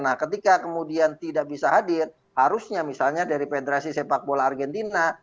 nah ketika kemudian tidak bisa hadir harusnya misalnya dari federasi sepak bola argentina